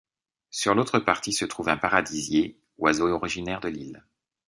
Sur l'autre partie se trouve un Paradisier, oiseaux originaires de l'île.